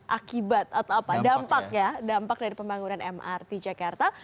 akibat atau apa dampak ya dampak dari pembangunan mrt jakarta